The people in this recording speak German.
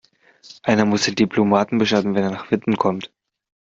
Einer muss den Diplomaten beschatten, wenn er nach Witten kommt.